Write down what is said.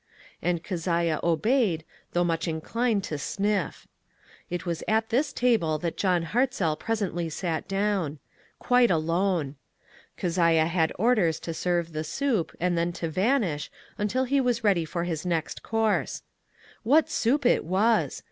And Keziah obeyed, though much inclined to sniff. It was at this table that John Hartzell presently sat down. Quite alone. Keziah had orders to serve the soup, and then to vanish, until he was ready for his SILKEN COILS. 223 next course. What soup it was!